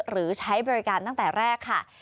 หรือใช้บริการตั้งแต่แรกค่ะ